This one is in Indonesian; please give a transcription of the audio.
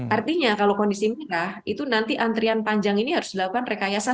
artinya kalau kondisi merah itu nanti antrian panjang ini harus dilakukan rekayasa